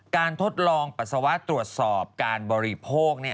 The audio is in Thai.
ทดลองปัสสาวะตรวจสอบการบริโภค